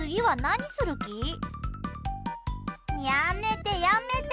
やめて、やめて。